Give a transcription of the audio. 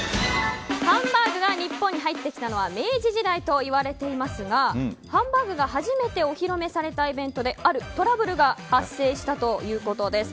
ハンバーグが日本に入ってきたのは明治時代と言われていますがハンバーグが初めてお披露目されたイベントであるトラブルが発生したということです。